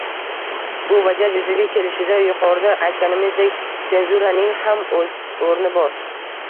Bu vaziyat yuzaga kelishida, yuqorida aytganimizdek senzuraning ham o‘z o‘rni bor.